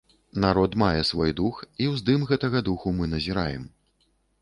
Народ мае свой дух, і ўздым гэтага духу мы назіраем.